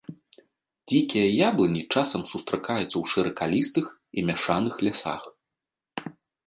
Дзікія яблыні часам сустракаюцца ў шыракалістых і мяшаных лясах.